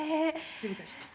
失礼いたします。